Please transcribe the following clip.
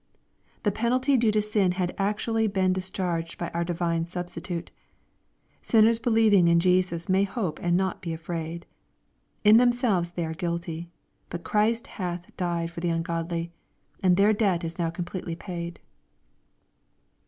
The penalty due to sin has actually been discharged by our Divine Substitute. Sinners believing in Jesus may hope and not be afraid. In themselves they are guilty. But Christ hath died for the ungodly ; and their debt is now completely paid.